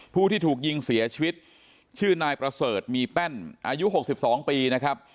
ผู้ที่ถูกยิงเสียชีวิตชื่อนายประเสริฐมีแป้นอายุ๖๒ปีนะครับ